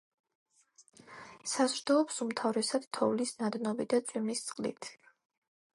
საზრდოობს უმთავრესად თოვლის ნადნობი და წვიმის წყლით.